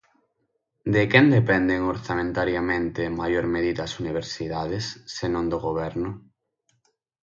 ¿De quen dependen orzamentariamente en maior medida as universidades, senón do Goberno?